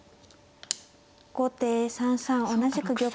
後手３三同じく玉。